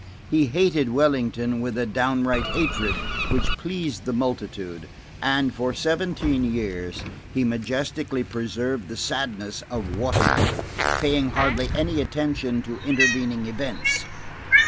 He hated Wellington with a downright hatred which pleased the multitude; and, for seventeen years, he majestically preserved the sadness of Waterloo, paying hardly any attention to intervening events.